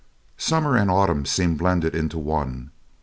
Summer and autumn seemed blended into one.